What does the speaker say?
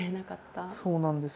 そうなんです。